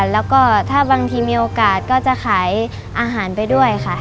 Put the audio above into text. แล้วก็ถ้าบางทีมีโอกาสก็จะขายอาหารไปด้วยค่ะ